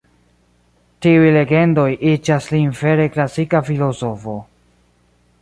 Tiuj legendoj iĝas lin vere klasika filozofo.